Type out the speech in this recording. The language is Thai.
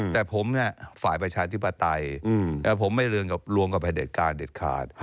แต่ผมเนี่ยฝ่ายประชาธิปไตยผมไม่รวมกับประเด็จการเด็ดขาด